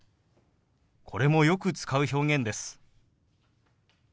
これもよく使う表現です。